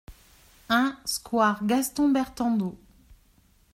un square Gaston Bertandeau